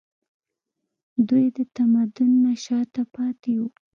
دوی د تمدن نه شاته پاتې وو